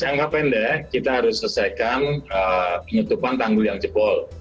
jangka pendek kita harus selesaikan penutupan tanggul yang jebol